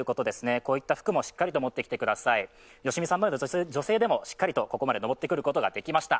こういった服もしっかりと持ってきてください、女性でもしっかりとここまで登ってくることができました。